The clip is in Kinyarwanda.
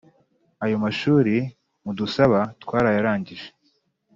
ayo mashuri mudusabatwarayarangije